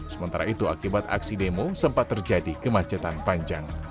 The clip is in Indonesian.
sementara itu akibat aksi demo sempat terjadi kemacetan panjang